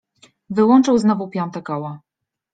Wyłączył znowu piąte koło.